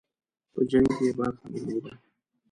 په جنګ کې یې برخه درلوده.